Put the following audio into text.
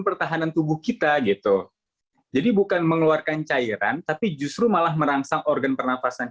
pertahanan tubuh kita gitu jadi bukan mengeluarkan cairan tapi justru malah merangsang organ pernafasan